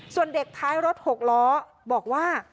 ส่วนเด็กท้ายรถ๖ล้อบอกว่า